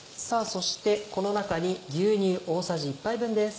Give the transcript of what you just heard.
そしてこの中に牛乳大さじ１杯分です。